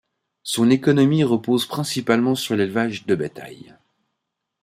Son économie repose principalement sur l'élevage de bétail.